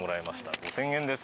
５０００円です。